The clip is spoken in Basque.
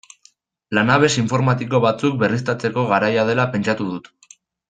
Lanabes informatiko batzuk berriztatzeko garaia dela pentsatu dut.